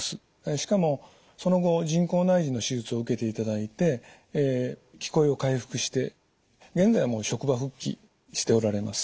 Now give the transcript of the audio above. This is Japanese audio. しかもその後人工内耳の手術を受けていただいて聞こえを回復して現在はもう職場復帰しておられます。